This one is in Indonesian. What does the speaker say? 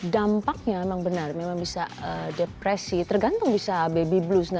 dampaknya memang benar memang bisa depresi tergantung bisa baby blues